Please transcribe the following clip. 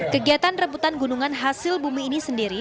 kegiatan rebutan gunungan hasil bumi ini sendiri